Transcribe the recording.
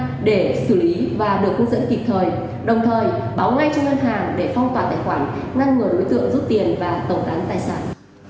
ngăn người đối tượng giúp tiền và tổng tán tài sản